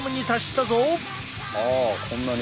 あこんなに！